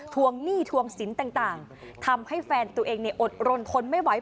วงหนี้ทวงศิลป์ต่างทำให้แฟนตัวเองอดรนทนไม่ไหว